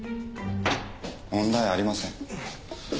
問題ありません。